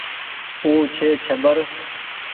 او ڇي ڇٻر ۔